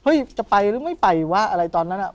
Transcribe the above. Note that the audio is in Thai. จะไปหรือไม่ไปวะอะไรตอนนั้น